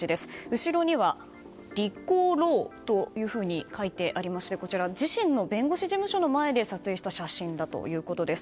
後ろにはリコ・ローというふうに書いてありまして自身の弁護士事務所の前で撮影した写真だということです。